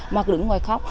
mà đứng ngoài khóc